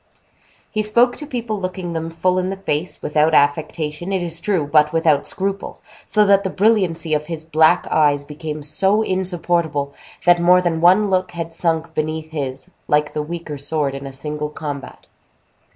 He spoke to people looking them full in the face, without affectation, it is true, but without scruple; so that the brilliancy of his black eyes became so insupportable, that more than one look had sunk beneath his, like the weaker sword in a single combat.